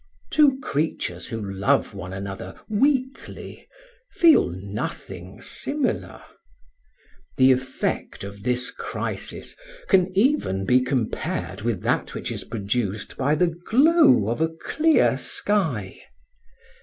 Two creatures who love one another weakly feel nothing similar. The effect of this crisis can even be compared with that which is produced by the glow of a clear sky.